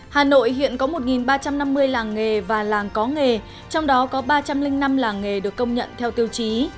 hà nội hiện có một ba trăm năm mươi làng nghề và làng có nghề trong đó có ba trăm linh năm làng nghề được công nhận theo tiêu chí